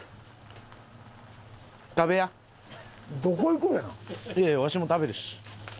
いやいやわしも食べるし。